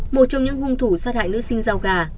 một trong những hung thủ sát hại nữ sinh rau gà